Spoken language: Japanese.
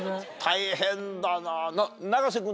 大変だな。